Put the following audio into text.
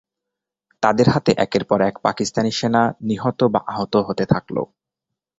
তাদের হাতে একের পর এক পাকিস্তানি সেনা নিহত বা আহত হতে থাকল।